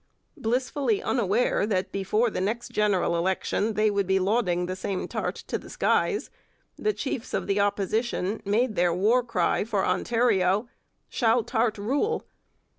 Blissfully unaware that before the next general election they would be lauding the same Tarte to the skies, the chiefs of the Opposition made their war cry for Ontario, 'Shall Tarte rule?'